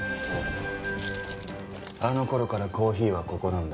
あの頃からコーヒーはここなんだ。